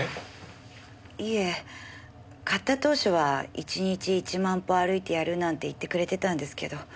いえ買った当初は１日１万歩歩いてやるなんて言ってくれてたんですけど